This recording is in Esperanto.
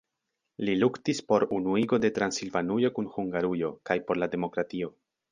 Li luktis por unuigo de Transilvanujo kun Hungarujo kaj por la demokratio.